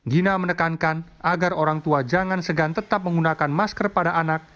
gina menekankan agar orang tua jangan segan tetap menggunakan masker pada anak